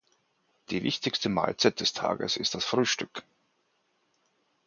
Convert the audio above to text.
Die wichtigste Mahlzeit des Tages ist das Frühstück.